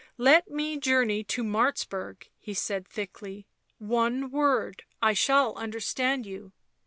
" Let me journey to Martzburg," he said thickly; " one word — I shall understand you."